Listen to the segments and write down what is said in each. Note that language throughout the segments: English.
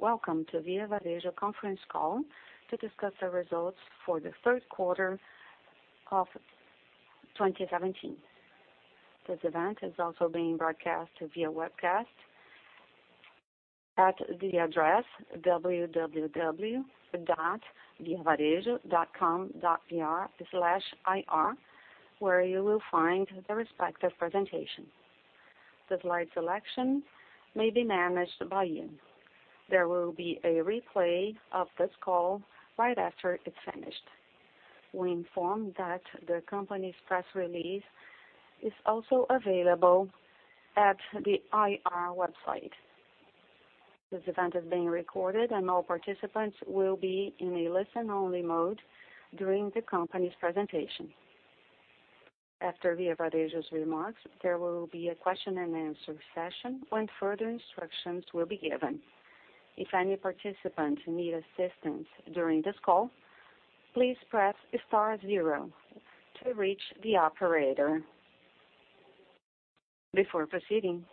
Welcome to Via Varejo conference call to discuss the results for the third quarter of 2017. This event is also being broadcast via webcast at the address www.viavarejo.com.br/ir, where you will find the respective presentation. The slide selection may be managed by you. There will be a replay of this call right after it is finished. We inform that the company's press release is also available at the IR website. This event is being recorded, and all participants will be in a listen-only mode during the company's presentation. After Via Varejo's remarks, there will be a question-and-answer session, when further instructions will be given. If any participants need assistance during this call, please press star zero to reach the operator. Before proceeding,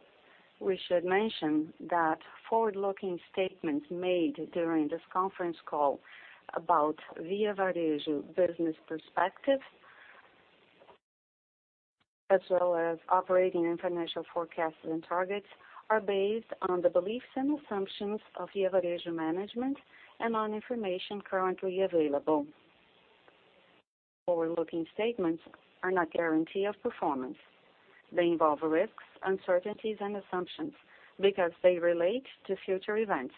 we should mention that forward-looking statements made during this conference call about Via Varejo business perspective, as well as operating and financial forecasts and targets, are based on the beliefs and assumptions of Via Varejo management and on information currently available. Forward-looking statements are not guarantee of performance. They involve risks, uncertainties, and assumptions because they relate to future events,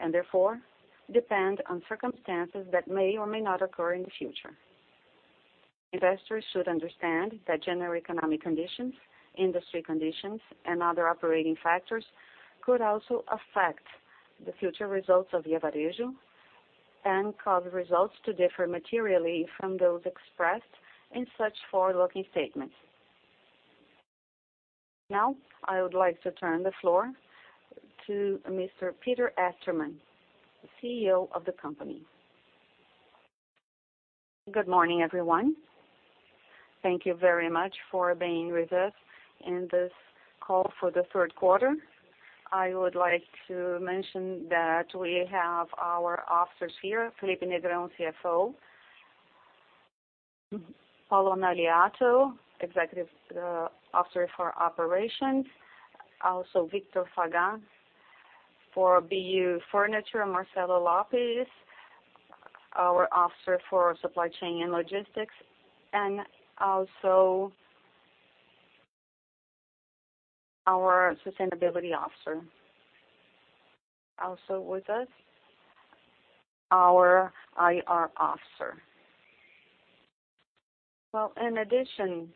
and therefore, depend on circumstances that may or may not occur in the future. Investors should understand that general economic conditions, industry conditions, and other operating factors could also affect the future results of Via Varejo and cause results to differ materially from those expressed in such forward-looking statements. I would like to turn the floor to Mr. Peter Estermann, the CEO of the company. Good morning, everyone. Thank you very much for being with us in this call for the third quarter. I would like to mention that we have our officers here, Felipe Negrão, CFO. Paulo Naliato, Executive Officer for Operations, also Vitor Faga for BU Furniture, Marcelo Lopes, our Officer for Supply Chain and Logistics, and also our Sustainability Officer. Also with us, our IR Officer. In addition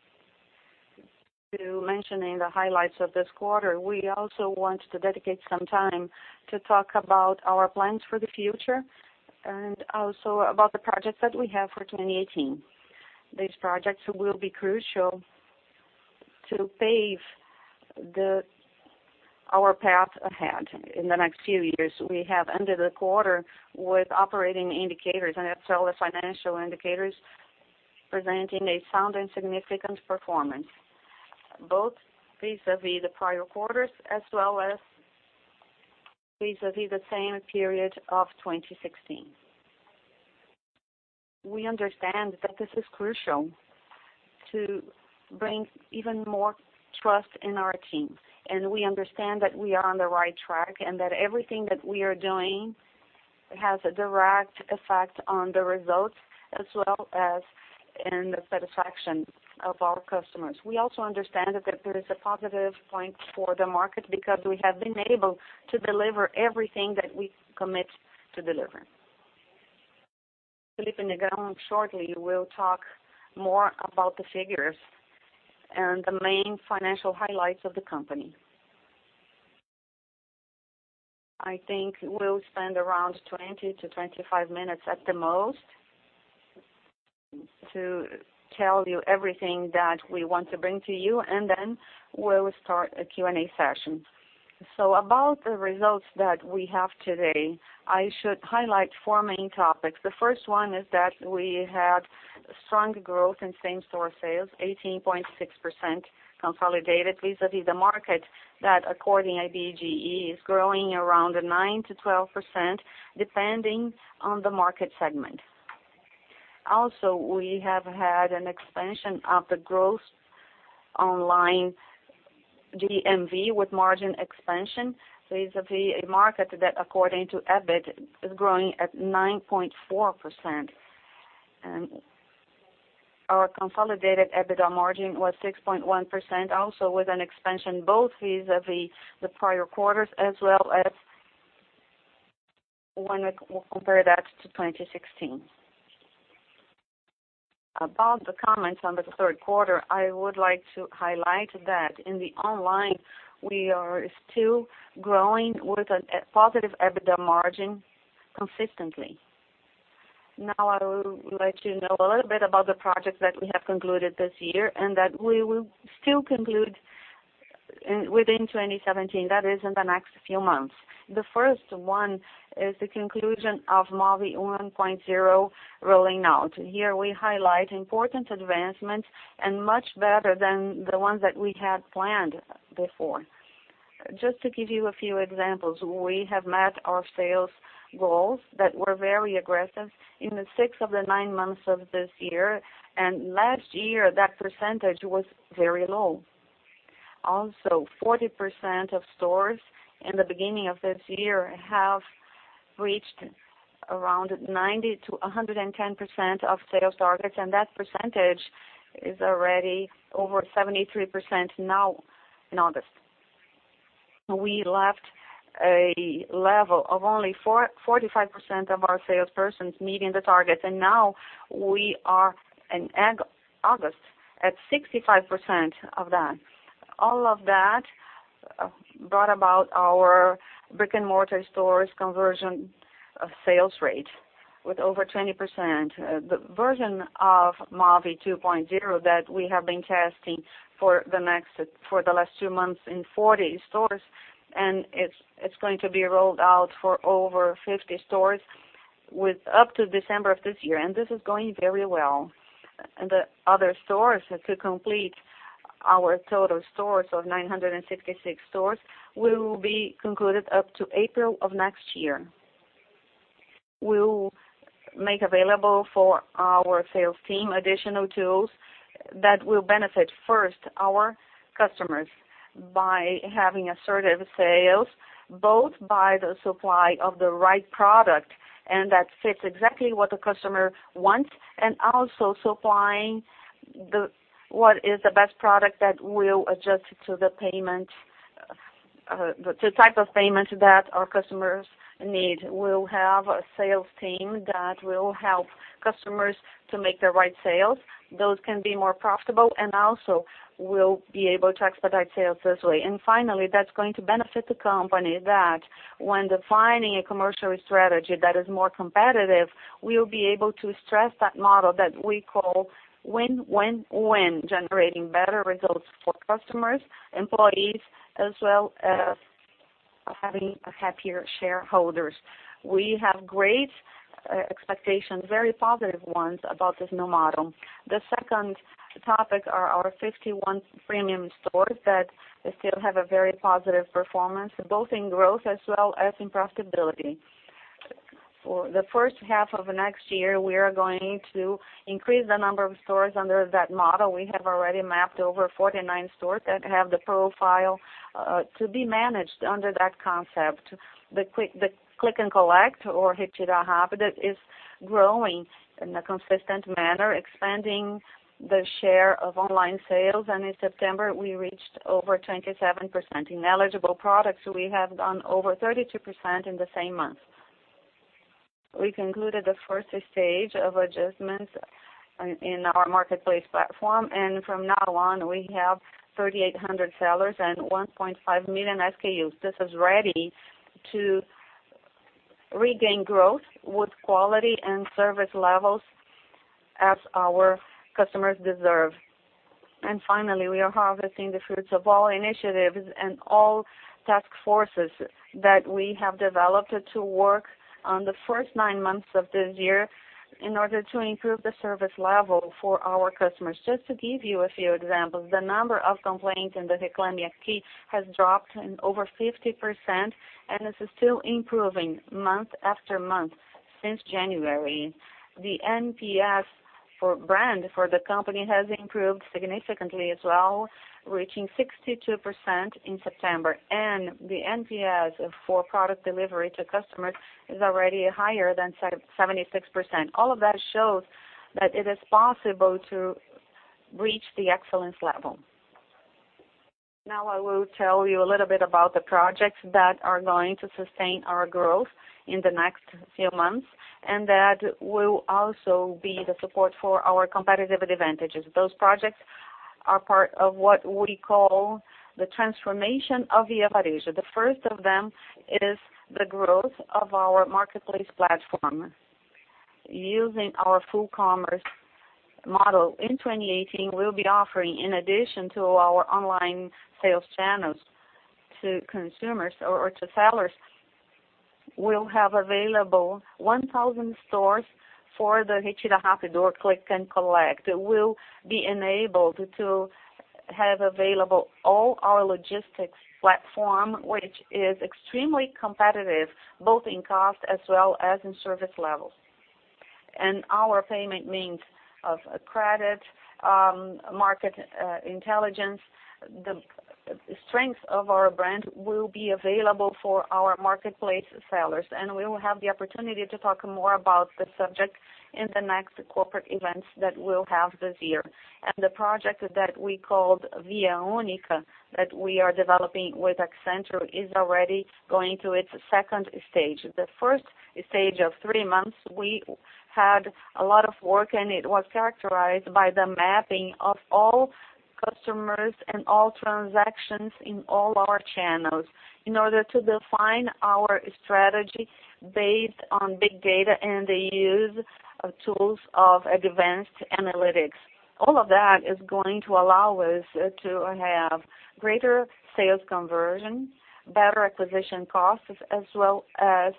to mentioning the highlights of this quarter, we also want to dedicate some time to talk about our plans for the future and also about the projects that we have for 2018. These projects will be crucial to pave our path ahead in the next few years. We have ended the quarter with operating indicators and also the financial indicators presenting a sound and significant performance, both vis-à-vis the prior quarters as well as vis-à-vis the same period of 2016. We understand that this is crucial to bring even more trust in our team, and we understand that we are on the right track, and that everything that we are doing has a direct effect on the results as well as in the satisfaction of our customers. We also understand that there is a positive point for the market because we have been able to deliver everything that we commit to deliver. Felipe Negrão shortly will talk more about the figures and the main financial highlights of the company. I think we will spend around 20 to 25 minutes at the most to tell you everything that we want to bring to you, and then we will start a Q&A session. About the results that we have today, I should highlight four main topics. The first one is that we had strong growth in same-store sales, 18.6% consolidated vis-à-vis the market that according to IBGE, is growing around 9%-12%, depending on the market segment. We have had an expansion of the growth online GMV with margin expansion vis-à-vis a market that according to Ebit is growing at 9.4%. Our consolidated EBITDA margin was 6.1%, also with an expansion, both vis-à-vis the prior quarters as well as when we compare that to 2016. About the comments on the third quarter, I would like to highlight that in the online, we are still growing with a positive EBITDA margin consistently. I will let you know a little bit about the projects that we have concluded this year and that we will still conclude within 2017, that is in the next few months. The first one is the conclusion of MOVVE 1.0 rolling out. Here we highlight important advancement and much better than the ones that we had planned before. Just to give you a few examples, we have met our sales goals that were very aggressive in the six of the nine months of this year. Last year, that percentage was very low. 40% of stores in the beginning of this year have reached around 90%-110% of sales targets, and that percentage is already over 73% now in August. We left a level of only 45% of our salespersons meeting the targets, and now we are in August at 65% of that. All of that brought about our brick-and-mortar stores conversion of sales rate with over 20%. The version of MOVVE 2.0 that we have been testing for the last two months in 40 stores, and it's going to be rolled out for over 50 stores with up to December of this year, and this is going very well. The other stores, to complete our total stores of 966 stores, will be concluded up to April of next year. We'll make available for our sales team additional tools that will benefit first our customers by having assertive sales, both by the supply of the right product and that fits exactly what the customer wants, and also supplying what is the best product that will adjust to the type of payment that our customers need. We'll have a sales team that will help customers to make the right sales. Those can be more profitable and also will be able to expedite sales this way. Finally, that's going to benefit the company that when defining a commercial strategy that is more competitive, we'll be able to stress that model that we call win-win-win, generating better results for customers, employees, as well as having happier shareholders. We have great expectations, very positive ones, about this new model. The second topic are our 51 premium stores that still have a very positive performance, both in growth as well as in profitability. For the first half of next year, we are going to increase the number of stores under that model. We have already mapped over 49 stores that have the profile to be managed under that concept. The Click & Collect or Retira Rápido is growing in a consistent manner, expanding the share of online sales. In September, we reached over 27%. In eligible products, we have done over 32% in the same month. We concluded the first stage of adjustments in our marketplace platform. From now on, we have 3,800 sellers and 1.5 million SKUs. This is ready to regain growth with quality and service levels as our customers deserve. Finally, we are harvesting the fruits of all initiatives and all task forces that we have developed to work on the first nine months of this year in order to improve the service level for our customers. Just to give you a few examples, the number of complaints in the Reclame Aqui has dropped in over 50%, and this is still improving month after month since January. The NPS for brand for the company has improved significantly as well, reaching 62% in September. The NPS for product delivery to customers is already higher than 76%. All of that shows that it is possible to reach the excellence level. Now I will tell you a little bit about the projects that are going to sustain our growth in the next few months and that will also be the support for our competitive advantages. Those projects are part of what we call the transformation of Via Varejo. The first of them is the growth of our marketplace platform. Using our full commerce model, in 2018, we'll be offering, in addition to our online sales channels to consumers or to sellers, we'll have available 1,000 stores for the Retira Rápido or Click & Collect. We'll be enabled to have available all our logistics platform, which is extremely competitive, both in cost as well as in service levels. Our payment means of credit, market intelligence, the strength of our brand will be available for our marketplace sellers. We will have the opportunity to talk more about the subject in the next corporate events that we'll have this year. The project that we called Via Única that we are developing with Accenture is already going to its stage 2. The stage 1 of three months, we had a lot of work, and it was characterized by the mapping of all customers and all transactions in all our channels in order to define our strategy based on big data and the use of tools of advanced analytics. All of that is going to allow us to have greater sales conversion, better acquisition costs, as well as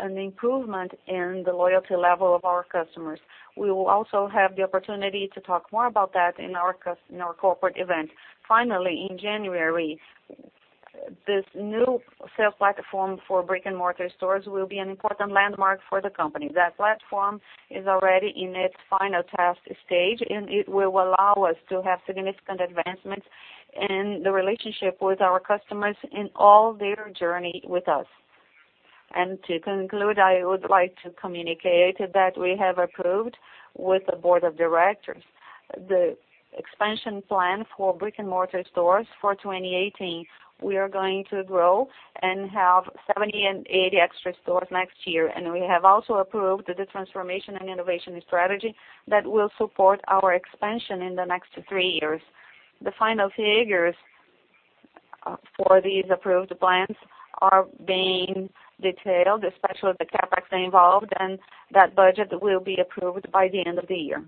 an improvement in the loyalty level of our customers. We will also have the opportunity to talk more about that in our corporate event. Finally, in January, this new sales platform for brick-and-mortar stores will be an important landmark for the company. That platform is already in its final test stage, and it will allow us to have significant advancements in the relationship with our customers in all their journey with us. To conclude, I would like to communicate that we have approved with the board of directors the expansion plan for brick-and-mortar stores for 2018. We are going to grow and have 70 and 80 extra stores next year. We have also approved the transformation and innovation strategy that will support our expansion in the next three years. The final figures for these approved plans are being detailed, especially the CapEx involved. That budget will be approved by the end of the year.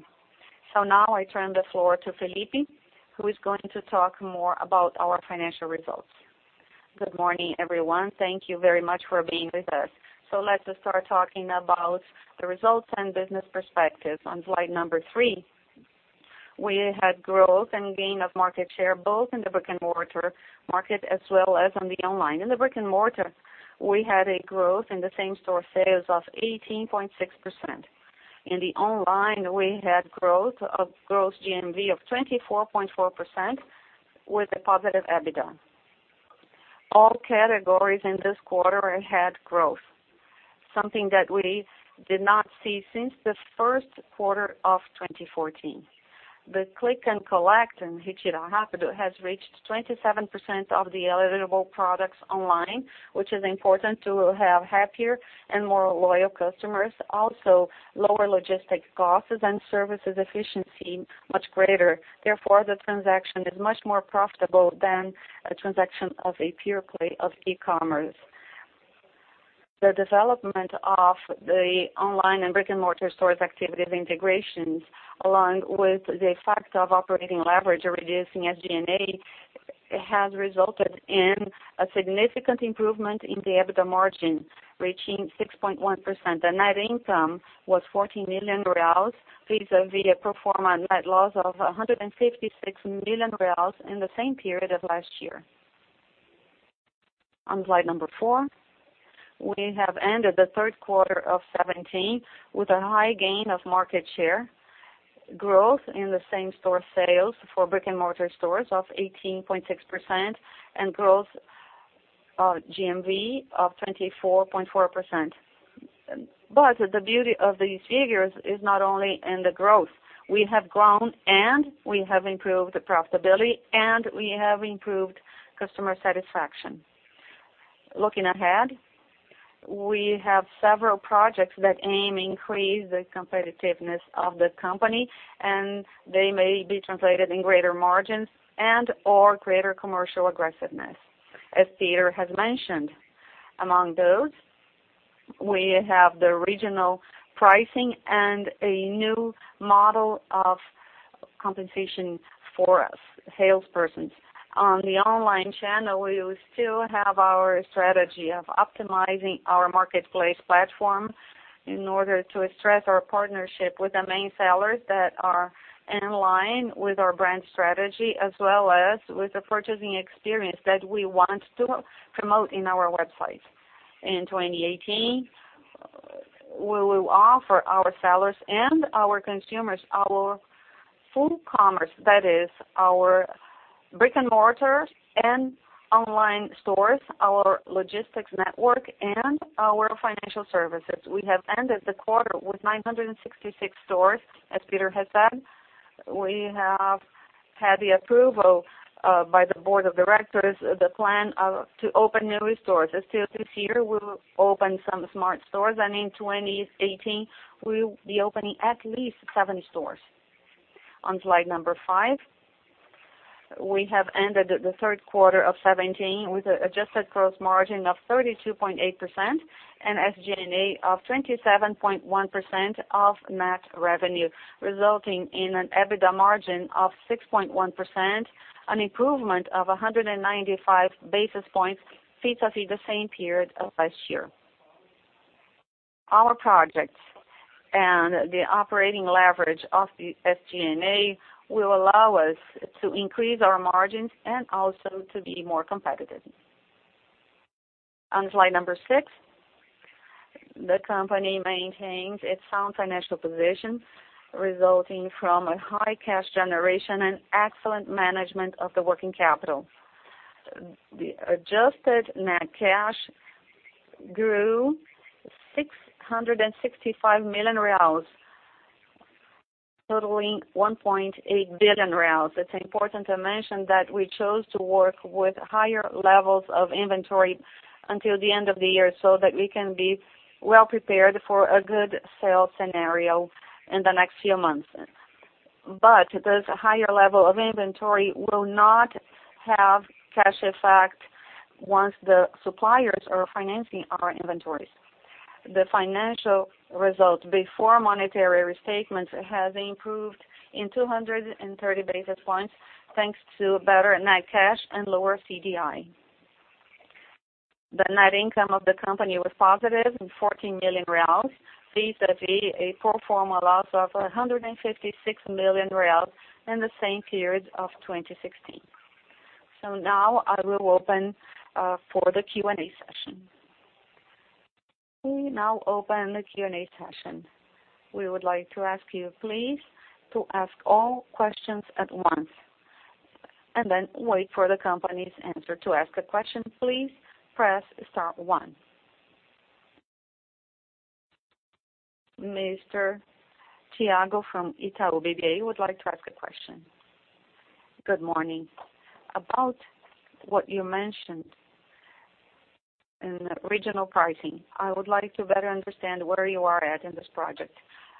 Now I turn the floor to Felipe, who is going to talk more about our financial results. Good morning, everyone. Thank you very much for being with us. Let's start talking about the results and business perspectives. On slide number three, we had growth and gain of market share, both in the brick-and-mortar market as well as on the online. In the brick-and-mortar, we had a growth in the same-store sales of 18.6%. In the online, we had growth of gross GMV of 24.4% with a positive EBITDA. All categories in this quarter had growth, something that we did not see since the first quarter of 2014. The click-and-collect in Retira Rápido has reached 27% of the eligible products online, which is important to have happier and more loyal customers. Also, lower logistics costs and services efficiency much greater. Therefore, the transaction is much more profitable than a transaction of a pure play of e-commerce. The development of the online and brick-and-mortar stores activity integrations, along with the fact of operating leverage reducing SG&A, has resulted in a significant improvement in the EBITDA margin, reaching 6.1%. The net income was 40 million reais vis-à-vis a pro forma net loss of 156 million reais in the same period of last year. On slide number four, we have ended the third quarter of 2017 with a high gain of market share, growth in the same-store sales for brick-and-mortar stores of 18.6%, and growth of GMV of 24.4%. The beauty of these figures is not only in the growth. We have grown, and we have improved profitability, and we have improved customer satisfaction. Looking ahead, we have several projects that aim to increase the competitiveness of the company, and they may be translated in greater margins and/or greater commercial aggressiveness, as Peter has mentioned. Among those, we have the regional pricing and a new model of compensation for salespersons. On the online channel, we will still have our strategy of optimizing our marketplace platform in order to stress our partnership with the main sellers that are in line with our brand strategy, as well as with the purchasing experience that we want to promote on our website. In 2018, we will offer our sellers and our consumers our full commerce, that is our brick-and-mortar and online stores, our logistics network, and our financial services. We have ended the quarter with 966 stores, as Peter has said. We have had the approval by the board of directors the plan to open new stores. Still this year, we will open some smart stores, and in 2018, we will be opening at least 70 stores. On slide number five, we have ended the third quarter of 2017 with an adjusted gross margin of 32.8% and SG&A of 27.1% of net revenue, resulting in an EBITDA margin of 6.1%, an improvement of 195 basis points vis-à-vis the same period of last year. Our projects and the operating leverage of the SG&A will allow us to increase our margins and also to be more competitive. On slide number six, the company maintains its sound financial position, resulting from a high cash generation and excellent management of the working capital. The adjusted net cash grew 665 million reais, totaling 1.8 billion reais. It's important to mention that we chose to work with higher levels of inventory until the end of the year so that we can be well prepared for a good sales scenario in the next few months. This higher level of inventory will not have cash effect once the suppliers are financing our inventories. The financial results before monetary restatements have improved in 230 basis points, thanks to better net cash and lower CDI. The net income of the company was positive in 14 million reais, vis-a-vis a pro forma loss of 156 million reais in the same period of 2016. Now I will open for the Q&A session. We now open the Q&A session. We would like to ask you please to ask all questions at once, and then wait for the company's answer. To ask a question, please press star one. Mr. Thiago from Itaú BBA would like to ask a question. Good morning. About what you mentioned in regional pricing. I would like to better understand where you are at in this project.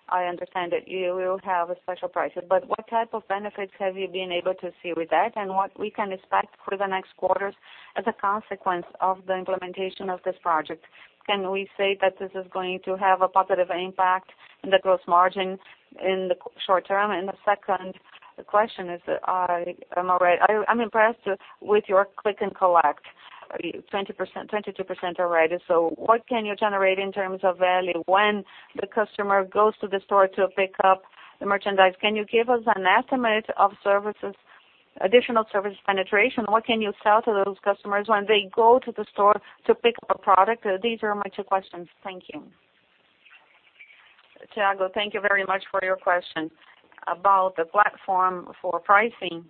I understand that you will have a special pricing. What type of benefits have you been able to see with that, and what we can expect for the next quarters as a consequence of the implementation of this project? Can we say that this is going to have a positive impact in the gross margin in the short term? The second question is, I'm impressed with your click-and-collect, 22% already. What can you generate in terms of value when the customer goes to the store to pick up the merchandise? Can you give us an estimate of additional service penetration? What can you sell to those customers when they go to the store to pick up a product? These are my two questions. Thank you. Thiago, thank you very much for your question. About the platform for pricing.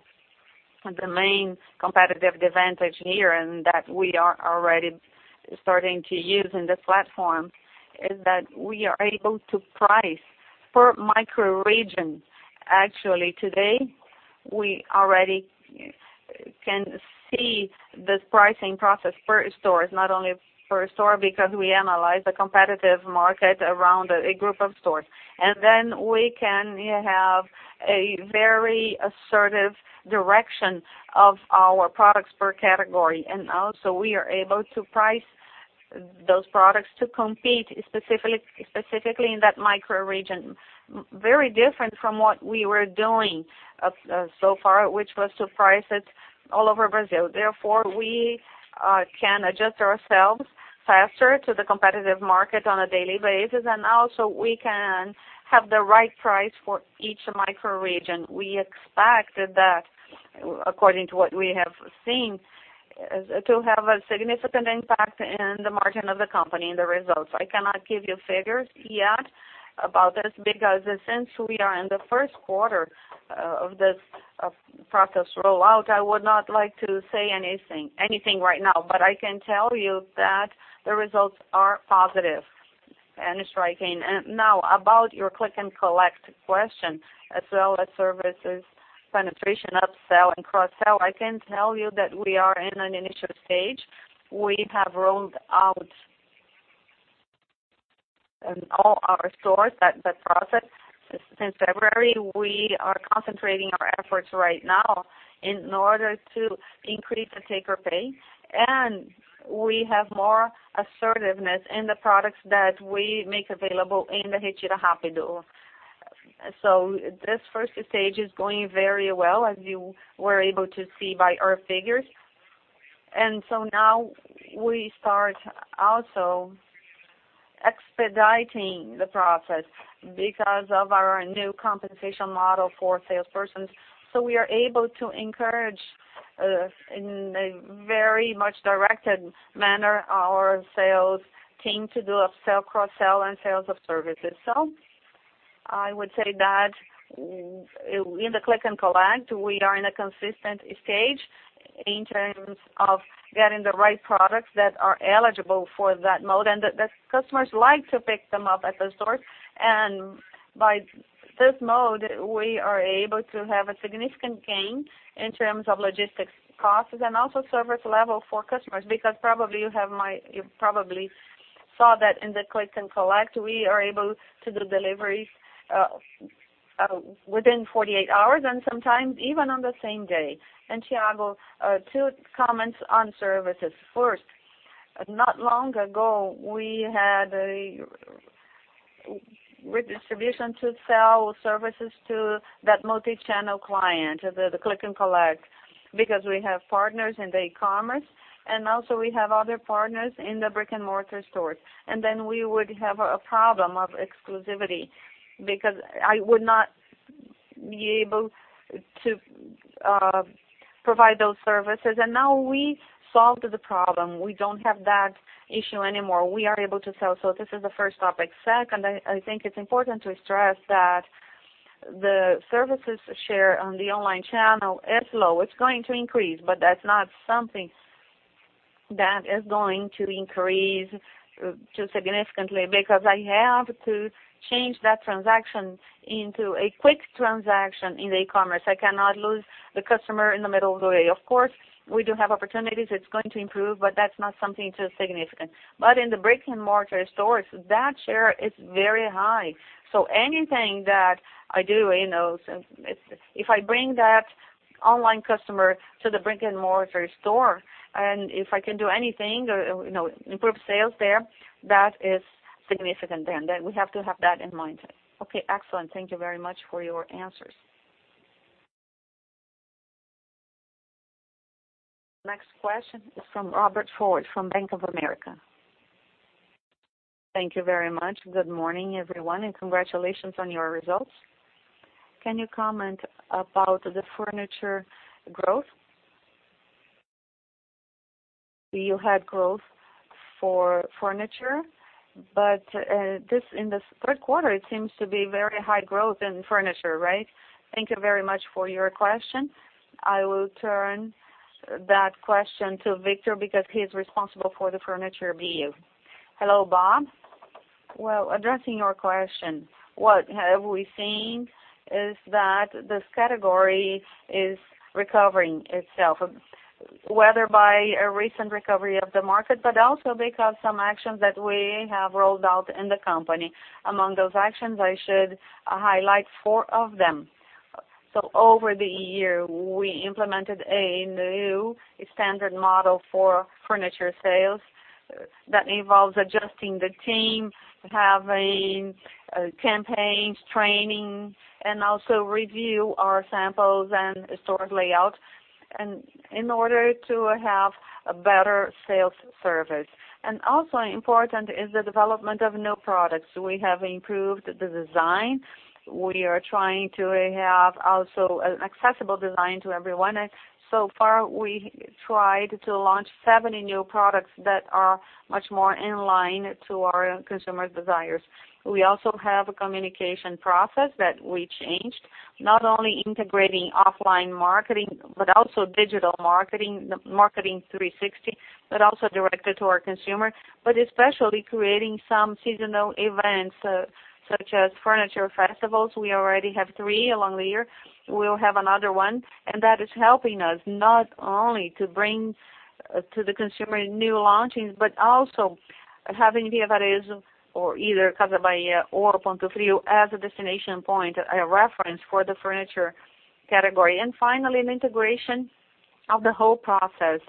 The main competitive advantage here, and that we are already starting to use in the platform, is that we are able to price per micro-region. Actually, today, we already can see this pricing process per store. It's not only per store, because we analyze the competitive market around a group of stores. Then we can have a very assertive direction of our products per category. Also we are able to price those products to compete specifically in that micro-region. Very different from what we were doing so far, which was to price it all over Brazil. Therefore, we can adjust ourselves faster to the competitive market on a daily basis. Also we can have the right price for each micro-region. We expect that according to what we have seen, to have a significant impact in the margin of the company, in the results. I cannot give you figures yet about this, because since we are in the first quarter of this process rollout, I would not like to say anything right now. I can tell you that the results are positive and striking. Now, about your click-and-collect question, as well as services penetration, upsell and cross-sell, I can tell you that we are in an initial stage. We have rolled out in all our stores that process since February. We are concentrating our efforts right now in order to increase the take or pay. We have more assertiveness in the products that we make available in the Retira Rápido. This stage 1 is going very well, as you were able to see by our figures. Now we start also expediting the process because of our new compensation model for salespersons. We are able to encourage, in a very much directed manner, our sales team to do upsell, cross-sell, and sales of services. I would say that in the click-and-collect, we are in a consistent stage in terms of getting the right products that are eligible for that mode, and the customers like to pick them up at the store. By this mode, we are able to have a significant gain in terms of logistics costs and also service level for customers, because you probably saw that in the click-and-collect, we are able to do deliveries within 48 hours and sometimes even on the same day. Thiago, two comments on services. First, not long ago, we had a redistribution to sell services to that multi-channel client, the click-and-collect, because we have partners in the e-commerce, and also we have other partners in the brick-and-mortar stores. Then we would have a problem of exclusivity, because I would not be able to provide those services. Now we solved the problem. We don't have that issue anymore. We are able to sell. This is the first topic. Second, I think it's important to stress that the services share on the online channel is low. It's going to increase, but that's not something that is going to increase too significantly. Because I have to change that transaction into a quick transaction in e-commerce. I cannot lose the customer in the middle of the way. Of course, we do have opportunities. It's going to improve, but that's not something too significant. In the brick-and-mortar stores, that share is very high. Anything that I do, if I bring that online customer to the brick-and-mortar store, and if I can do anything, improve sales there, that is significant, and then we have to have that in mind. Okay, excellent. Thank you very much for your answers. Next question is from Robert Ford from Banc of America. Thank you very much. Good morning, everyone, and congratulations on your results. Can you comment about the furniture growth? You had growth for furniture, but in the third quarter, it seems to be very high growth in furniture, right? Thank you very much for your question. I will turn that question to Vitor because he is responsible for the furniture BU. Hello, Bob. Addressing your question, what we have seen is that this category is recovering itself, whether by a recent recovery of the market, but also because of some actions that we have rolled out in the company. Among those actions, I should highlight four of them. Over the year, we implemented a new standard model for furniture sales that involves adjusting the team, having campaigns, training, and also review our samples and store layout in order to have a better sales service. Also important is the development of new products. We have improved the design. We are trying to have also an accessible design to everyone. So far, we tried to launch 70 new products that are much more in line to our consumer desires. We also have a communication process that we changed, not only integrating offline marketing but also digital marketing 360, but also directed to our consumer, but especially creating some seasonal events, such as furniture festivals. We already have three along the year. We will have another one, and that is helping us not only to bring to the consumer new launches but also having Via Varejo or either Casas Bahia or Ponto Frio as a destination point, a reference for the furniture category. Finally, an integration of the whole process,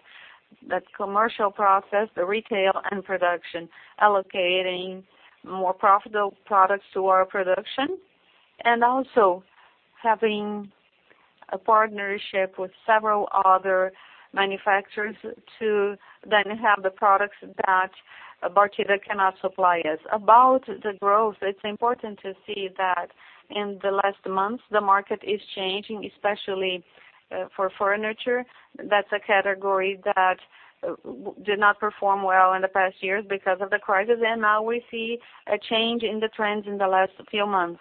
that commercial process, the retail and production, allocating more profitable products to our production, and also having a partnership with several other manufacturers to then have the products that Bartira cannot supply us. About the growth, it's important to see that in the last months, the market is changing, especially for furniture. That's a category that did not perform well in the past years because of the crisis. Now we see a change in the trends in the last few months.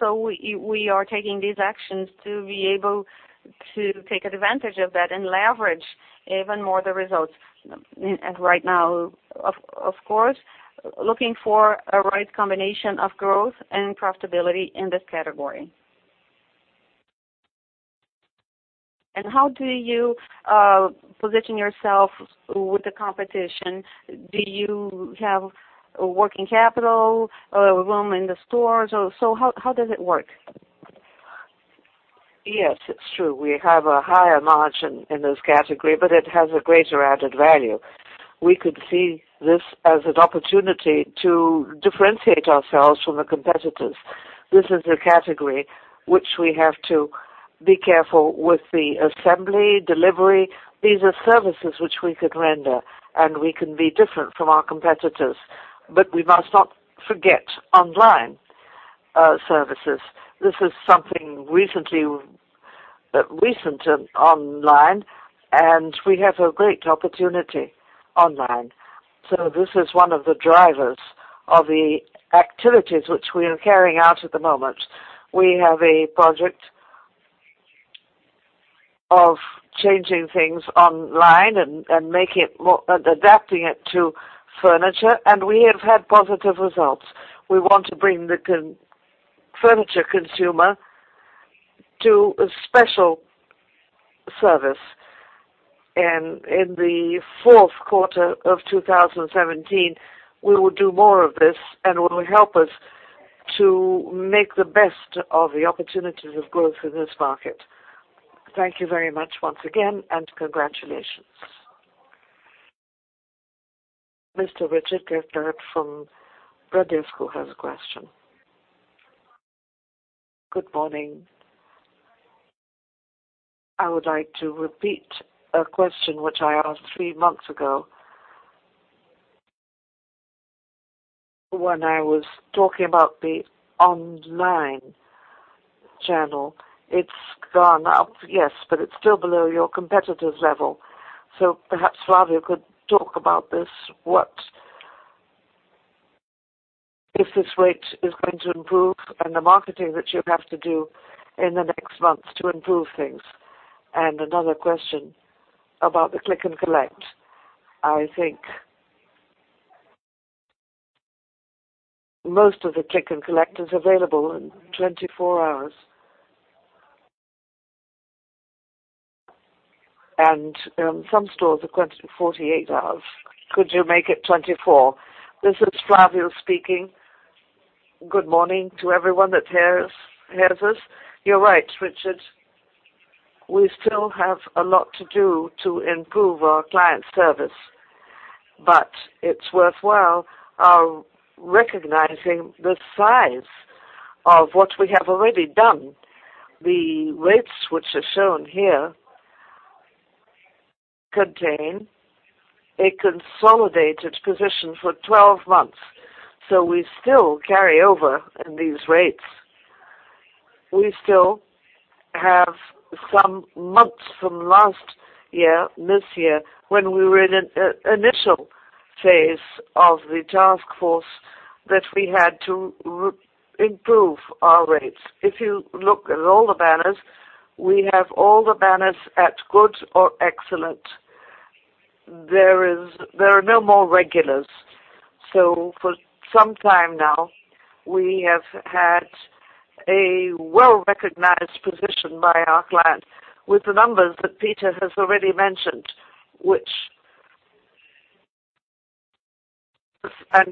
We are taking these actions to be able to take advantage of that and leverage even more the results. Right now, of course, looking for a right combination of growth and profitability in this category. How do you position yourself with the competition? Do you have working capital, room in the stores? How does it work? Yes, it's true. We have a higher margin in this category, but it has a greater added value. We could see this as an opportunity to differentiate ourselves from the competitors. This is a category which we have to be careful with the assembly, delivery. These are services which we could render, and we can be different from our competitors. We must not forget online services. This is something recent online, and we have a great opportunity online. This is one of the drivers of the activities which we are carrying out at the moment. We have a project of changing things online and adapting it to furniture, and we have had positive results. We want to bring the furniture consumer to a special service. In the fourth quarter of 2017, we will do more of this, and it will help us to make the best of the opportunities of growth in this market. Thank you very much once again, and congratulations. Mr. Richard Cathcart from Bradesco has a question. Good morning. I would like to repeat a question which I asked three months ago. When I was talking about the online channel. It's gone up, yes, but it's still below your competitor's level. Perhaps Flavio could talk about this. If this rate is going to improve and the marketing that you have to do in the next months to improve things. Another question about the click-and-collect. I think most of the click-and-collect is available in 24 hours. Some stores are 48 hours. Could you make it 24? This is Flavio speaking. Good morning to everyone that hears us. You're right, Richard. We still have a lot to do to improve our client service. It's worthwhile recognizing the size of what we have already done. The rates which are shown here contain a consolidated position for 12 months. We still carry over in these rates. We still have some months from last year, this year, when we were in an initial phase of the task force that we had to improve our rates. If you look at all the banners, we have all the banners at good or excellent. There are no more regulars. For some time now, we have had a well-recognized position by our client with the numbers that Peter has already mentioned.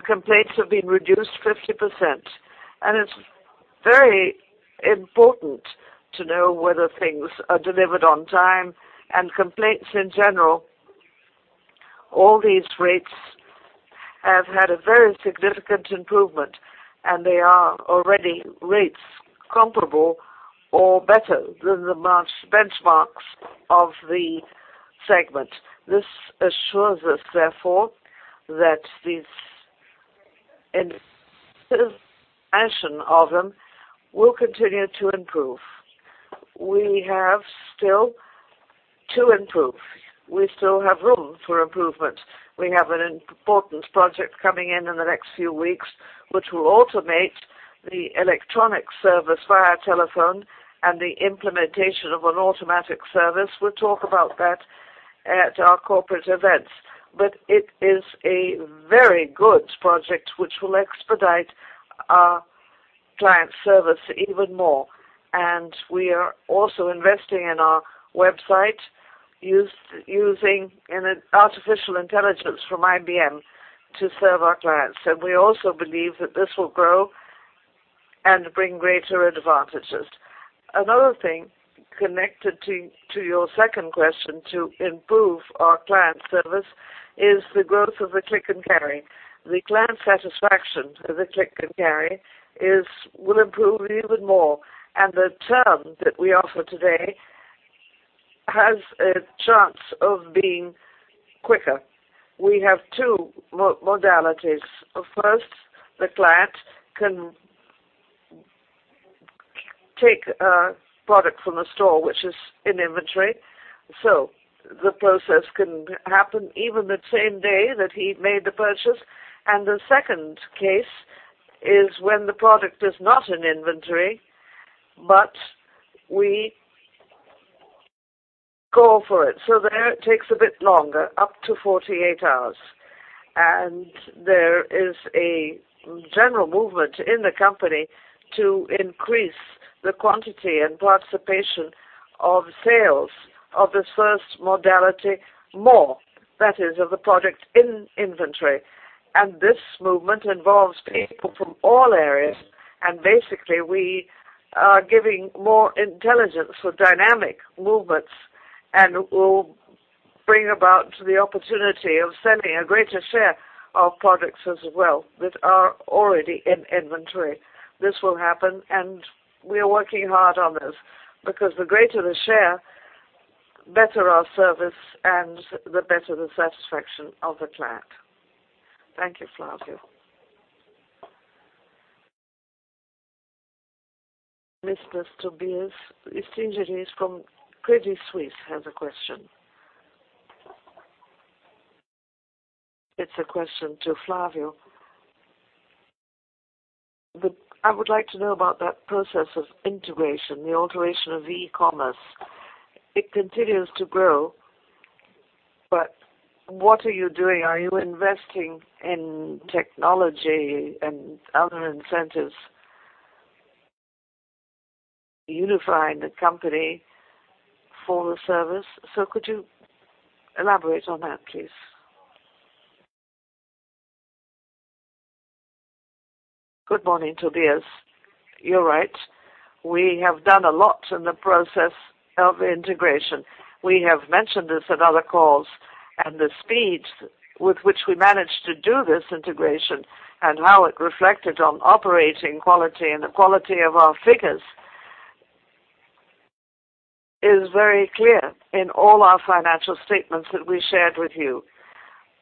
Complaints have been reduced 50%. It's very important to know whether things are delivered on time and complaints in general. All these rates have had a very significant improvement, and they are already rates comparable or better than the benchmarks of the segment. This assures us, therefore, that this of them will continue to improve. We have still to improve. We still have room for improvement. We have an important project coming in in the next few weeks, which will automate the electronic service via telephone and the implementation of an automatic service. We'll talk about that at our corporate events. It is a very good project which will expedite our client service even more. We are also investing in our website, using an artificial intelligence from IBM to serve our clients. We also believe that this will grow and bring greater advantages. Another thing connected to your second question, to improve our client service, is the growth of the click-and-collect. The client satisfaction of the click-and-collect will improve even more, and the term that we offer today has a chance of being quicker. We have two modalities. First, the client can take a product from the store, which is in inventory. The process can happen even the same day that he made the purchase. The second case is when the product is not in inventory, but we go for it. There it takes a bit longer, up to 48 hours. There is a general movement in the company to increase the quantity and participation of sales of this first modality more. That is, of the product in inventory. This movement involves people from all areas. Basically, we are giving more intelligence for dynamic movements and will bring about the opportunity of selling a greater share of products as well that are already in inventory. This will happen, and we are working hard on this because the greater the share, better our service and the better the satisfaction of the client. Thank you, Flavio. Mr. Tobias, from Credit Suisse, has a question. It's a question to Flavio. "I would like to know about that process of integration, the alteration of e-commerce. It continues to grow, but what are you doing? Are you investing in technology and other incentives unifying the company for the service? Could you elaborate on that, please?" Good morning, Tobias. You're right. We have done a lot in the process of integration. We have mentioned this at other calls, and the speed with which we managed to do this integration and how it reflected on operating quality and the quality of our figures is very clear in all our financial statements that we shared with you.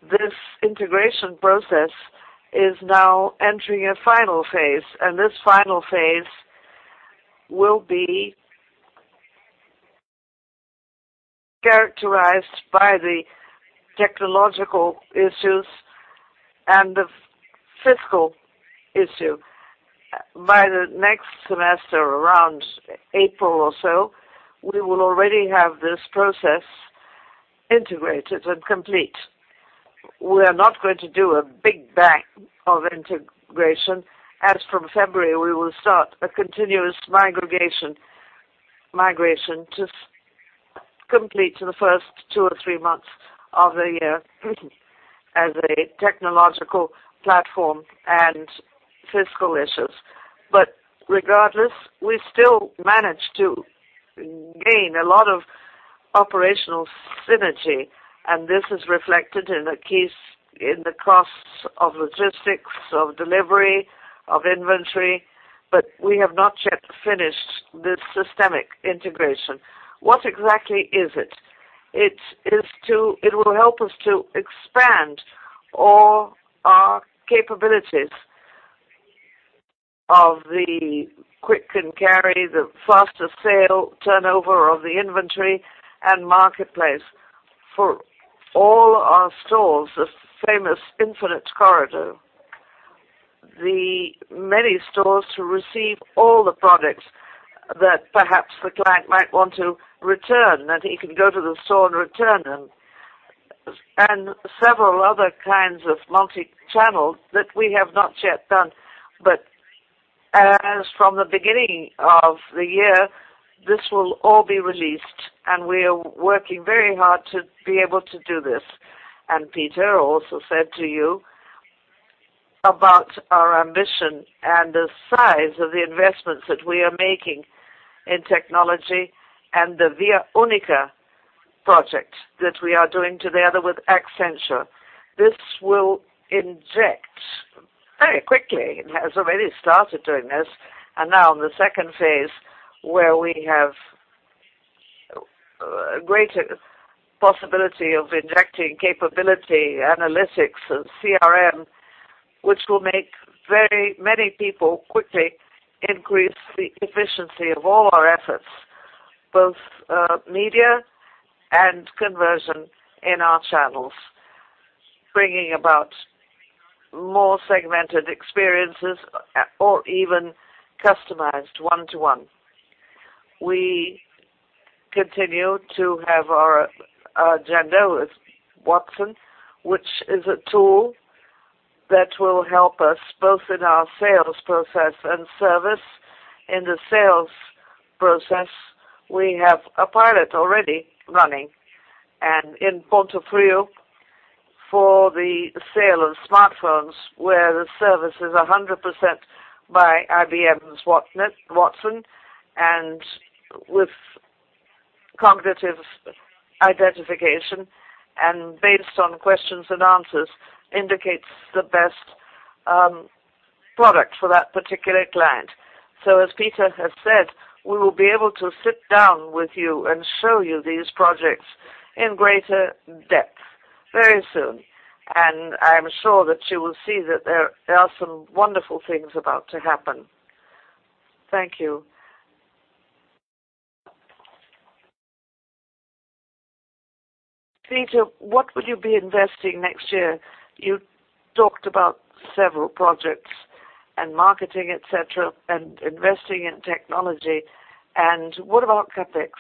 This integration process is now entering a final phase, and this final phase will be characterized by the technological issues and the fiscal issue. By the next semester, around April or so, we will already have this process integrated and complete. From February, we will start a continuous migration to complete in the first two or three months of the year as a technological platform and fiscal issues. Regardless, we still managed to gain a lot of operational synergy, and this is reflected in the case in the costs of logistics, of delivery, of inventory, but we have not yet finished the systemic integration. What exactly is it? It will help us to expand all our capabilities of the Click & Collect, the faster sale turnover of the inventory and marketplace for all our stores, the famous endless aisle. The many stores to receive all the products that perhaps the client might want to return, that he can go to the store and return them, and several other kinds of multi-channel that we have not yet done. From the beginning of the year, this will all be released, and we are working very hard to be able to do this. And Peter also said to you about our ambition and the size of the investments that we are making in technology and the Via Única project that we are doing together with Accenture. This will inject very quickly, it has already started doing this, and now in the second phase, where we have a greater possibility of injecting capability, analytics, and CRM, which will make many people quickly increase the efficiency of all our efforts, both media and conversion in our channels, bringing about more segmented experiences or even customized one-to-one. We continue to have our agenda with Watson, which is a tool that will help us both in our sales process and service. In the sales process, we have a pilot already running and in Ponto Frio for the sale of smartphones, where the service is 100% by IBM's Watson, and with cognitive identification and based on questions and answers, indicates the best product for that particular client. As Peter has said, we will be able to sit down with you and show you these projects in greater depth very soon. I am sure that you will see that there are some wonderful things about to happen. Thank you. Peter, what would you be investing next year? You talked about several projects and marketing, et cetera, and investing in technology. What about CapEx?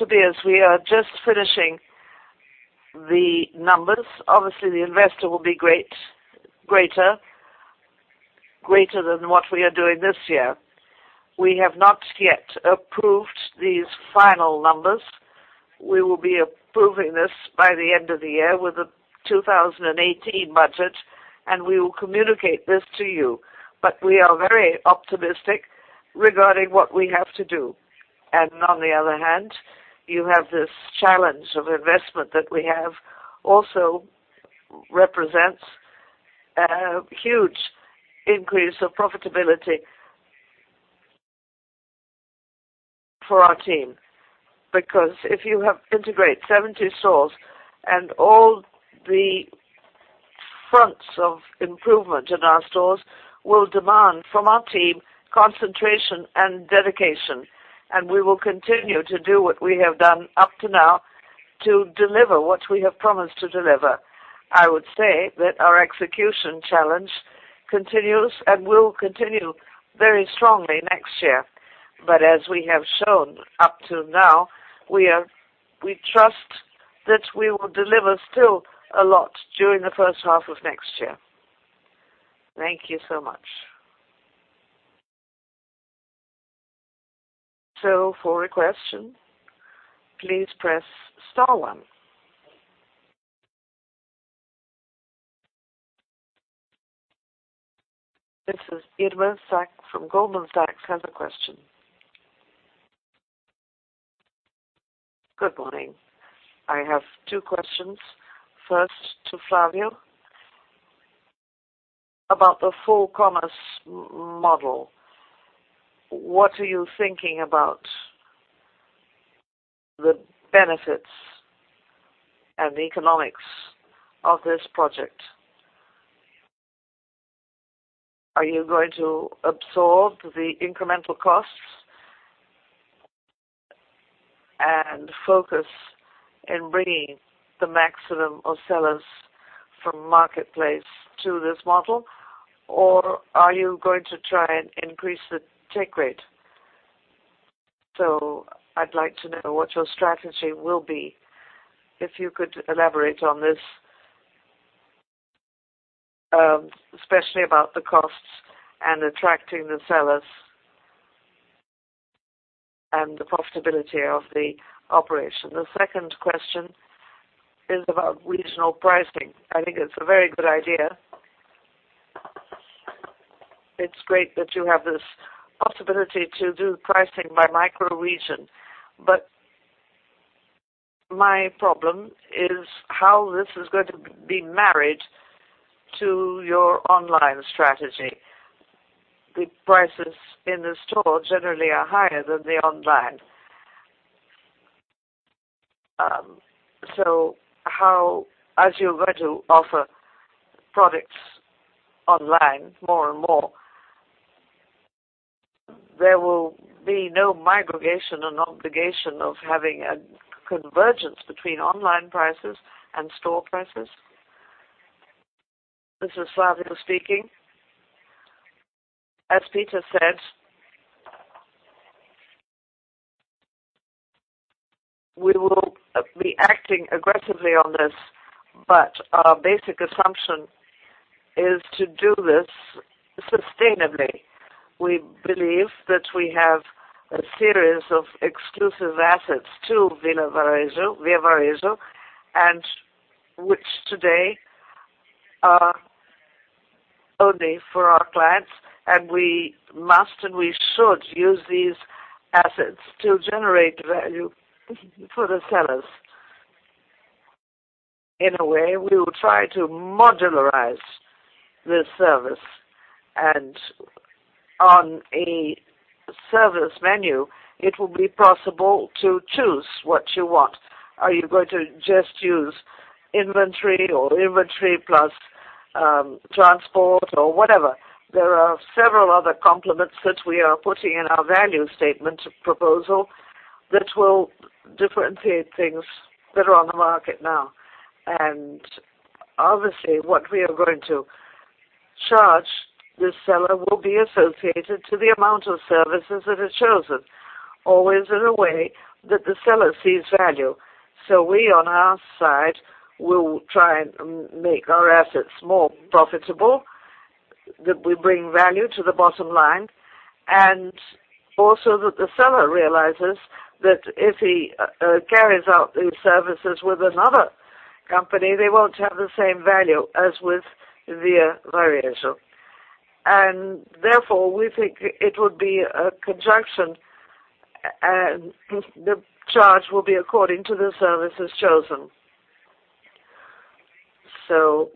Tobias, we are just finishing the numbers. Obviously, the investment will be greater than what we are doing this year. We have not yet approved these final numbers. We will be approving this by the end of the year with the 2018 budget, and we will communicate this to you. We are very optimistic regarding what we have to do. On the other hand, you have this challenge of investment that we have also represents a huge increase of profitability for our team. Because if you integrate 70 stores and all the fronts of improvement in our stores will demand from our team concentration and dedication. We will continue to do what we have done up to now to deliver what we have promised to deliver. I would say that our execution challenge continues and will continue very strongly next year. As we have shown up till now, we trust that we will deliver still a lot during the first half of next year. Thank you so much. For a question, please press star one. This is Irma Sgarz from Goldman Sachs. I have a question. Good morning. I have two questions. First to Flavio, about the full commerce model. What are you thinking about the benefits and the economics of this project? Are you going to absorb the incremental costs and focus in bringing the maximum of sellers from marketplace to this model? Or are you going to try and increase the take rate? I'd like to know what your strategy will be, if you could elaborate on this, especially about the costs and attracting the sellers. The profitability of the operation. The second question is about regional pricing. I think it's a very good idea. It's great that you have this possibility to do pricing by micro-region. My problem is how this is going to be married to your online strategy. The prices in the store generally are higher than the online. As you're going to offer products online more and more, there will be no migration and obligation of having a convergence between online prices and store prices? This is Flavio speaking. As Peter said, we will be acting aggressively on this, but our basic assumption is to do this sustainably. We believe that we have a series of exclusive assets to Via Varejo, which today are only for our clients, and we must, and we should use these assets to generate value for the sellers. In a way, we will try to modularize this service, on a service menu, it will be possible to choose what you want. Are you going to just use inventory or inventory plus transport or whatever? There are several other complements that we are putting in our value statement proposal that will differentiate things that are on the market now. Obviously, what we are going to charge the seller will be associated to the amount of services that are chosen, always in a way that the seller sees value. We, on our side, will try and make our assets more profitable, that we bring value to the bottom line. Also that the seller realizes that if he carries out these services with another company, they won't have the same value as with Via Varejo. Therefore, we think it would be a conjunction, and the charge will be according to the services chosen.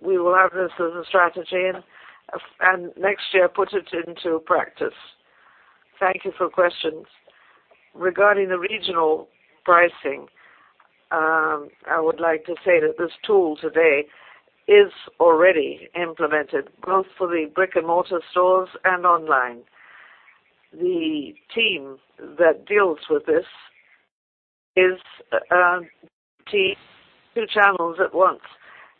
We will have this as a strategy, and next year, put it into practice. Thank you for questions. Regarding the regional pricing, I would like to say that this tool today is already implemented both for the brick-and-mortar stores and online. The team that deals with this is a team, two channels at once,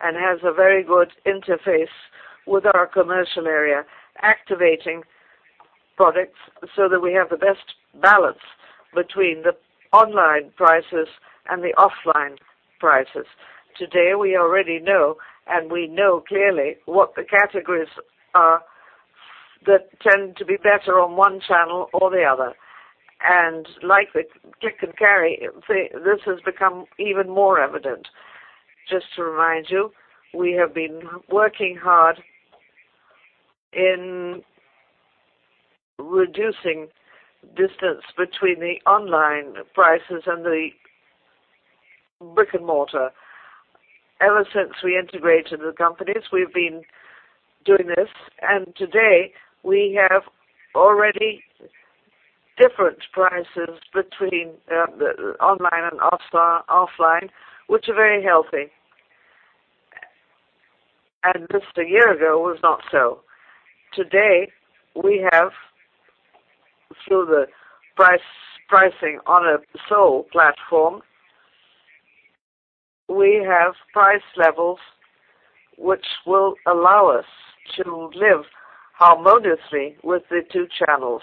and has a very good interface with our commercial area, activating products so that we have the best balance between the online prices and the offline prices. Today, we already know, we know clearly what the categories are that tend to be better on one channel or the other. Like the click-and-collect, this has become even more evident. Just to remind you, we have been working hard in reducing distance between the online prices and the brick-and-mortar. Ever since we integrated the companies, we've been doing this, and today we have already different prices between the online and offline, which are very healthy. Just a year ago was not so. Today, we have through the pricing on a sole platform, we have price levels which will allow us to live harmoniously with the two channels.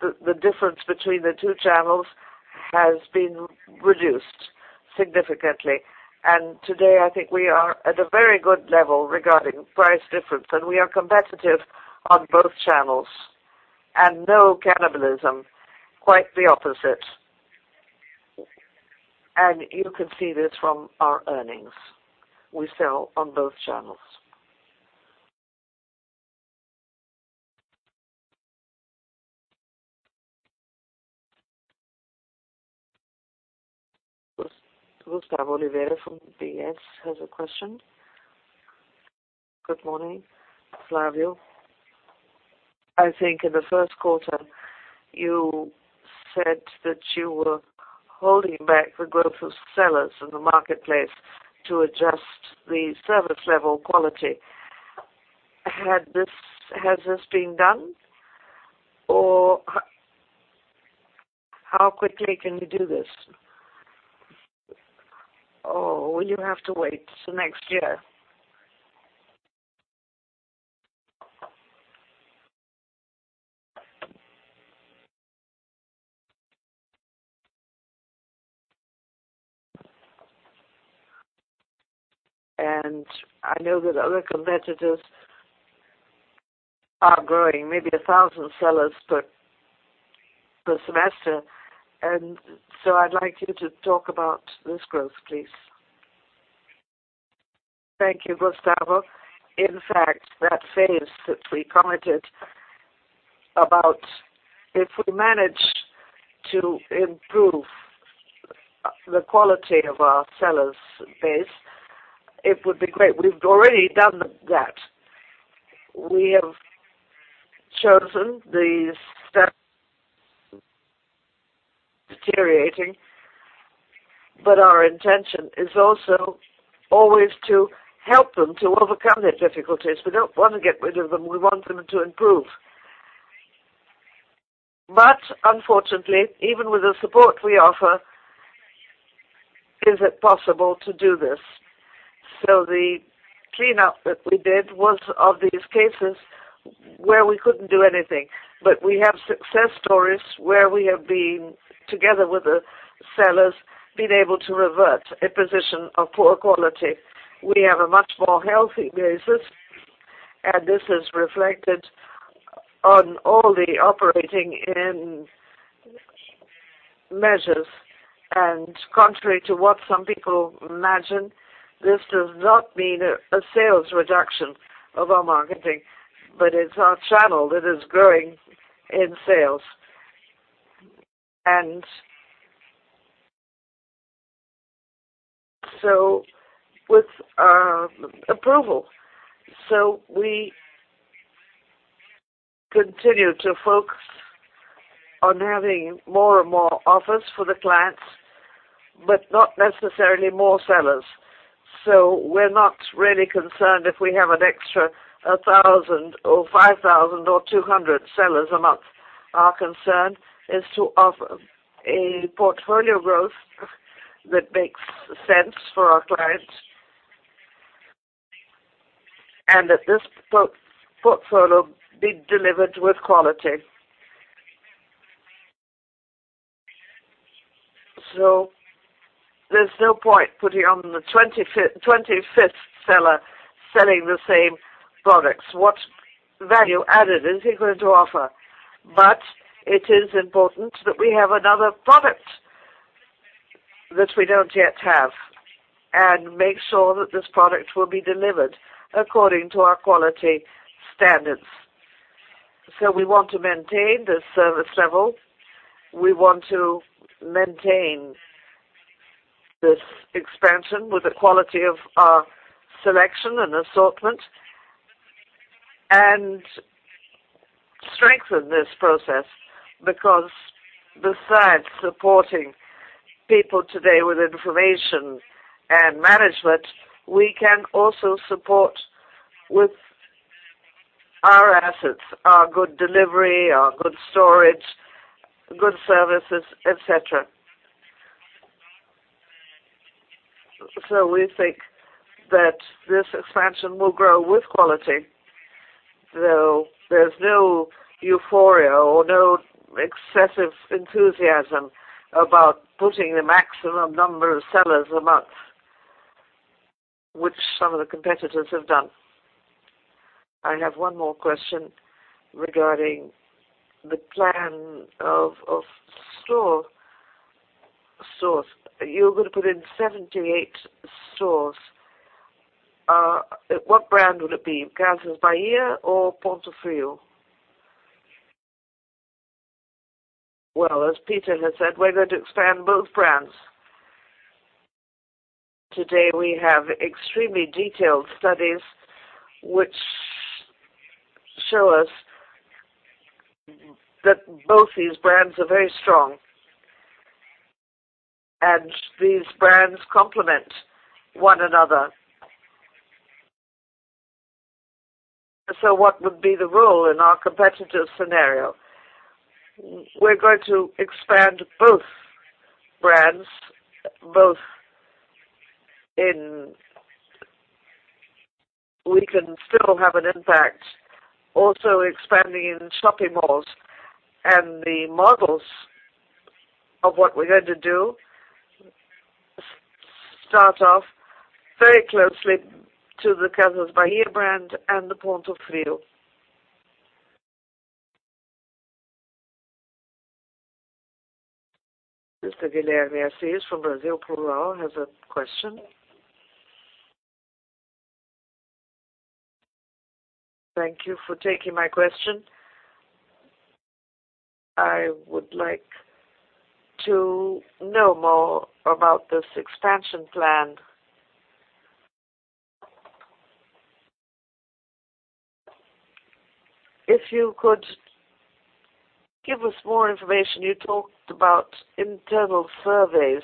The difference between the two channels has been reduced significantly. Today, I think we are at a very good level regarding price difference, and we are competitive on both channels. No cannibalism, quite the opposite. You can see this from our earnings. We sell on both channels. Gustavo Oliveira from UBS has a question. Good morning, Flavio. I think in the first quarter, you said that you were holding back the growth of sellers in the marketplace to adjust the service level quality. Has this been done? Or how quickly can you do this? Or will you have to wait till next year? I know that other competitors are growing, maybe 1,000 sellers per semester. I'd like you to talk about this growth, please. Thank you, Gustavo. In fact, that phase that we commented about, if we manage to improve the quality of our sellers base, it would be great. We've already done that. We have chosen the step, deteriorating. Our intention is also always to help them to overcome their difficulties. We don't want to get rid of them. We want them to improve. Unfortunately, even with the support we offer, is it possible to do this? The cleanup that we did was of these cases where we couldn't do anything. We have success stories where we have been, together with the sellers, been able to revert a position of poor quality. We have a much more healthy basis, and this is reflected on all the operating measures. Contrary to what some people imagine, this does not mean a sales reduction of our marketplace, but it's our channel that is growing in sales. With our approval. We continue to focus on having more and more offers for the clients, but not necessarily more sellers. We're not really concerned if we have an extra 1,000 or 5,000 or 200 sellers a month. Our concern is to offer a portfolio growth that makes sense for our clients. That this portfolio be delivered with quality. There's no point putting on the 25th seller selling the same products. What value added is he going to offer? It is important that we have another product that we don't yet have, and make sure that this product will be delivered according to our quality standards. We want to maintain this service level. We want to maintain this expansion with the quality of our selection and assortment, and strengthen this process, because besides supporting people today with information and management, we can also support with our assets, our good delivery, our good storage, good services, et cetera. We think that this expansion will grow with quality, though there's no euphoria or no excessive enthusiasm about putting the maximum number of sellers a month, which some of the competitors have done. I have one more question regarding the plan of stores. You're going to put in 78 stores. What brand would it be? Casas Bahia or Ponto Frio? Well, as Peter has said, we're going to expand both brands. Today, we have extremely detailed studies which show us that both these brands are very strong. These brands complement one another. What would be the role in our competitive scenario? We're going to expand both brands, both in We can still have an impact also expanding in shopping malls. The models of what we're going to do start off very closely to the Casas Bahia brand and the Ponto Frio. Mr. Guilherme Assis from Brasil Plural has a question. Thank you for taking my question. I would like to know more about this expansion plan. If you could give us more information. You talked about internal surveys,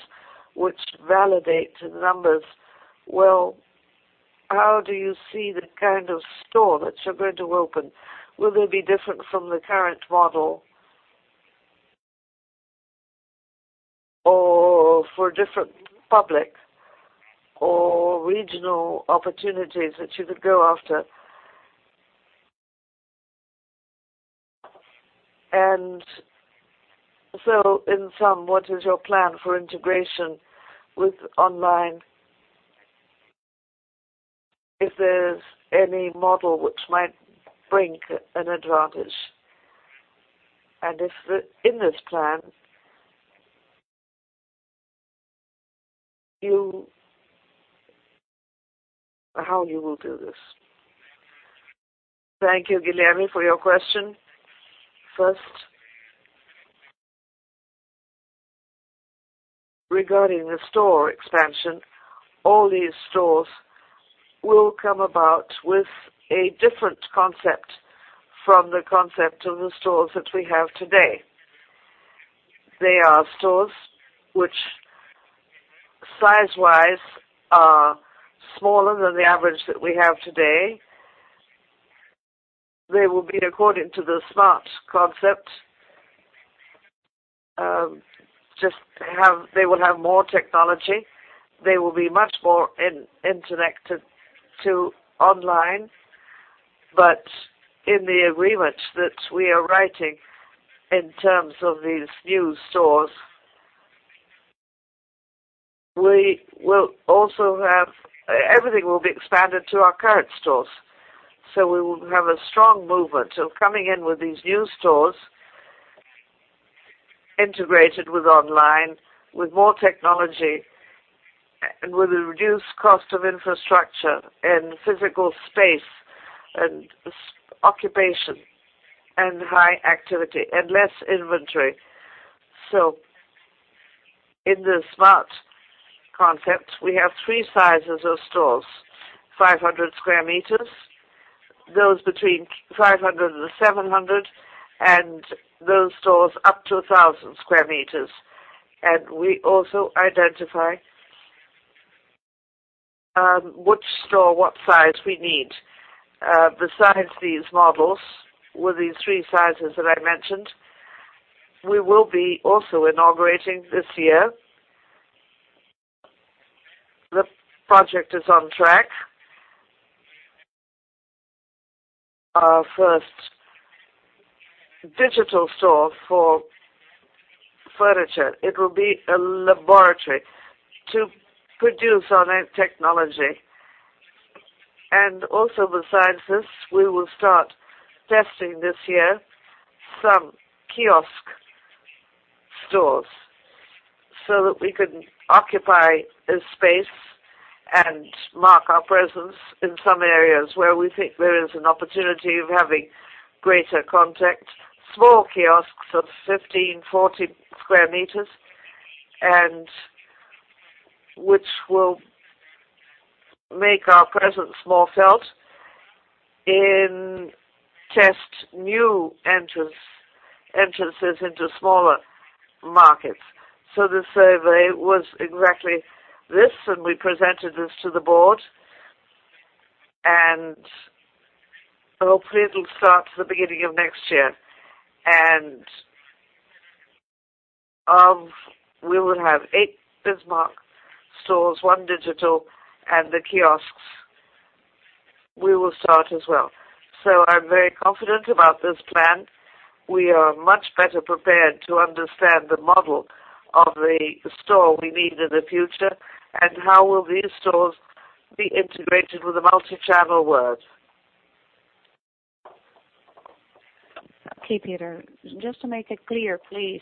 which validate the numbers. Well, how do you see the kind of store that you're going to open? Will it be different from the current model or for a different public or regional opportunities that you would go after? In sum, what is your plan for integration with online? If there's any model which might bring an advantage, and if in this plan, how you will do this? Thank you, Guilherme, for your question. First, regarding the store expansion, all these stores will come about with a different concept from the concept of the stores that we have today. They are stores which, size-wise, are smaller than the average that we have today. They will be according to the Smart concept. They will have more technology. They will be much more interconnected to online. In the agreement that we are writing in terms of these new stores, everything will be expanded to our current stores. We will have a strong movement of coming in with these new stores, integrated with online, with more technology, and with a reduced cost of infrastructure and physical space and occupation and high activity and less inventory. In the Smart concept, we have three sizes of stores, 500 square meters, those between 500 and 700, and those stores up to 1,000 square meters. We also identify which store, what size we need. Besides these models, with these three sizes that I mentioned, we will be also inaugurating this year. The project is on track. Our first digital store for furniture. It will be a laboratory to produce our technology. Also, besides this, we will start testing this year some kiosk stores so that we can occupy a space and mark our presence in some areas where we think there is an opportunity of having greater contact. Small kiosks of 15, 40 square meters, which will make our presence more felt and test new entrances into smaller markets. The survey was exactly this, we presented this to the board, hopefully, it will start at the beginning of next year. We will have eight Smart stores, one digital, the kiosks we will start as well. I'm very confident about this plan. We are much better prepared to understand the model of the store we need in the future and how will these stores be integrated with the multi-channel world. Okay, Peter, just to make it clear, please.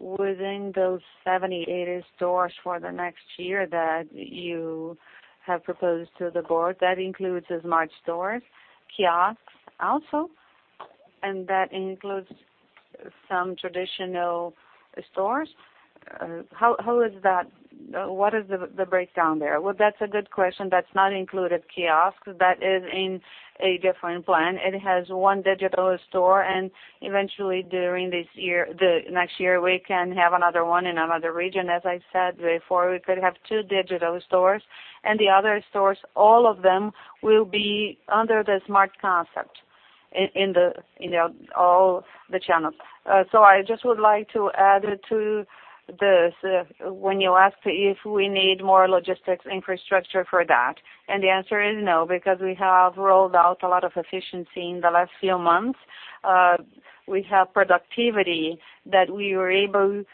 Within those 70, 80 stores for the next year that you have proposed to the board, that includes the Smart stores, kiosks also, that includes some traditional stores. What is the breakdown there? Well, that's a good question. That's not included kiosks. That is in a different plan. It has one digital store, and eventually during next year, we can have another one in another region. As I said before, we could have two digital stores. The other stores, all of them will be under the Smart concept in all the channels. I just would like to add to this, when you ask if we need more logistics infrastructure for that, and the answer is no, because we have rolled out a lot of efficiency in the last few months. We have productivity that we were able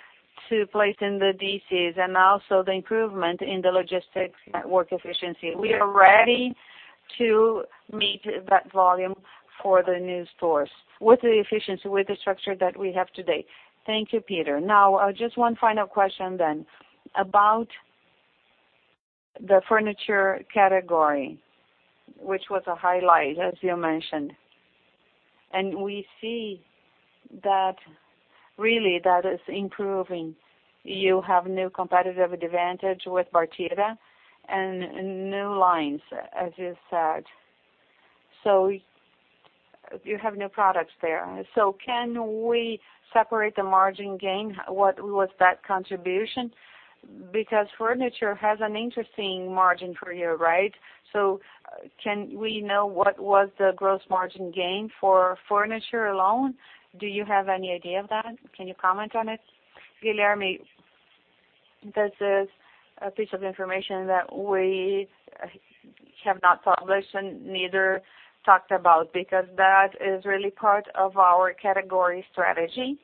to place in the DCs and also the improvement in the logistics network efficiency. We are ready to meet that volume for the new stores with the efficiency, with the structure that we have today. Thank you, Peter. Just one final question. About the furniture category, which was a highlight, as you mentioned. We see that really that is improving. You have new competitive advantage with Bartira and new lines, as you said. You have new products there. Can we separate the margin gain? What was that contribution? Because furniture has an interesting margin for you, right? Can we know what was the gross margin gain for furniture alone? Do you have any idea of that? Can you comment on it? This is a piece of information that we have not published and neither talked about, because that is really part of our category strategy.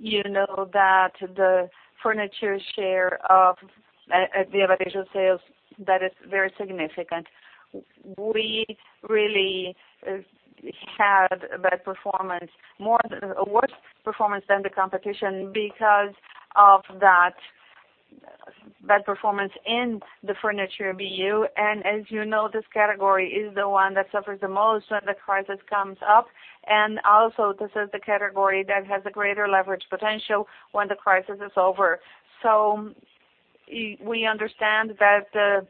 You know that the furniture share of Via Varejo sales, that is very significant. We really had a bad performance, a worse performance than the competition because of that bad performance in the furniture BU. As you know, this category is the one that suffers the most when the crisis comes up, and also this is the category that has a greater leverage potential when the crisis is over. We understand that the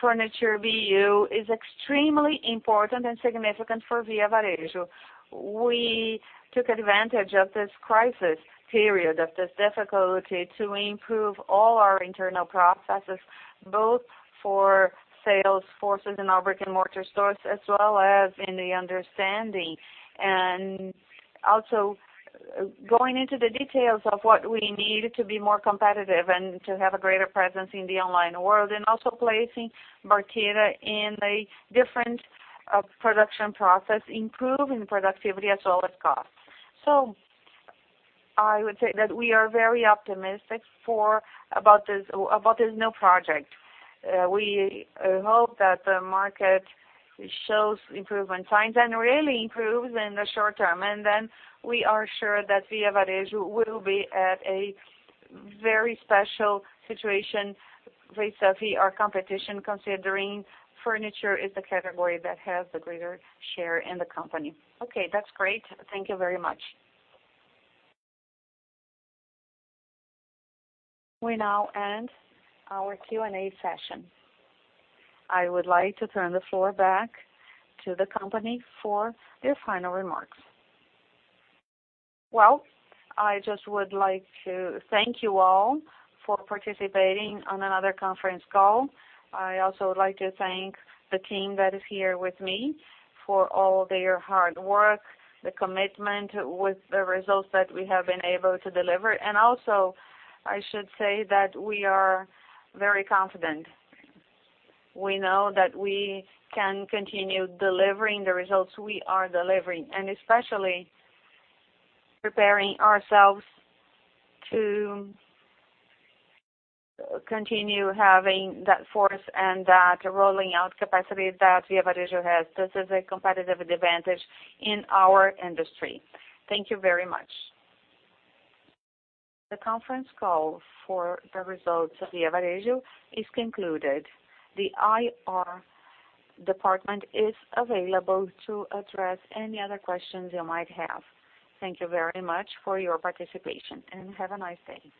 furniture BU is extremely important and significant for Via Varejo. We took advantage of this crisis period, of this difficulty, to improve all our internal processes, both for sales forces in our brick-and-mortar stores, as well as in the understanding. Also going into the details of what we need to be more competitive and to have a greater presence in the online world, and also placing Bartira in a different production process, improving productivity as well as cost. I would say that we are very optimistic about this new project. We hope that the market shows improvement signs and really improves in the short term. We are sure that Via Varejo will be at a very special situation vis-à-vis our competition, considering furniture is the category that has the greater share in the company. Okay. That's great. Thank you very much. We now end our Q&A session. I would like to turn the floor back to the company for their final remarks. I just would like to thank you all for participating on another conference call. I also would like to thank the team that is here with me for all their hard work, the commitment with the results that we have been able to deliver. I should say that we are very confident. We know that we can continue delivering the results we are delivering, and especially preparing ourselves to continue having that force and that rolling out capacity that Via Varejo has. This is a competitive advantage in our industry. Thank you very much. The conference call for the results of Via Varejo is concluded. The IR department is available to address any other questions you might have. Thank you very much for your participation, and have a nice day.